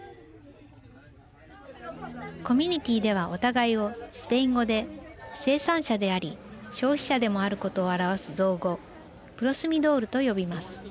コミュニティーではお互いをスペイン語で生産者であり消費者でもあることを表す造語プロスミドールと呼びます。